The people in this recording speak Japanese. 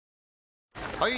・はい！